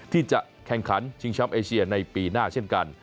ที่จะแข่งขันชิงช้ำเอเชียในปีหน้าเช่นกัน